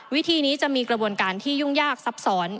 วิธีนี้จะมีกระบวนการที่ยุ่งยากซับซ้อน